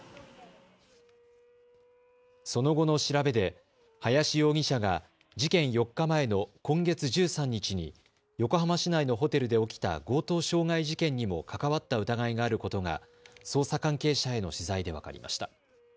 その後の調べで林容疑者が事件４日前の今月１３日に横浜市内のホテルで起きた強盗傷害事件にも関わった疑いがあることが捜査関係者への取材で分かりました。